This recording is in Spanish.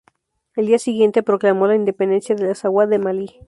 El día siguiente, proclamó la independencia del Azawad de Malí.